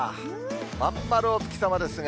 真ん丸お月様ですが。